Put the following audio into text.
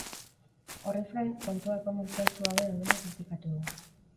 Horrez gain, kontuak ondo zehaztu gabe daudela kritikatu du.